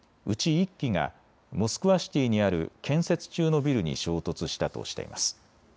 １機がモスクワシティにある建設中のビルに衝突したとしています。